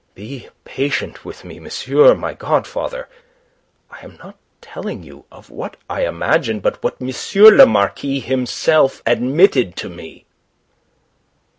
Be patient with me, monsieur my god father. I am not telling you of what I imagine but what M. le Marquis himself admitted to me."